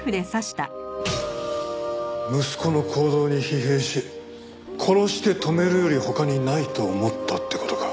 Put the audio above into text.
息子の行動に疲弊し殺して止めるより他にないと思ったって事か。